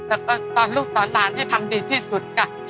และก็ตอนลูกตอนลานที่ทำดีที่สุด